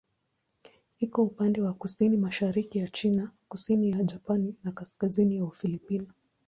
Iko upande wa kusini-mashariki ya China, kusini ya Japani na kaskazini ya Ufilipino.